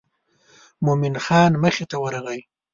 مومن خان مخې ته ورغی.